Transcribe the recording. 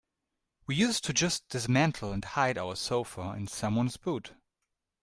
We used to just dismantle and hide our sofa in someone's boot.